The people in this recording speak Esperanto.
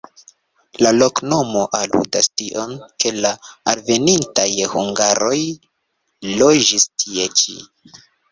La loknomo aludas tion, ke la alvenintaj hungaroj loĝis tie ĉi.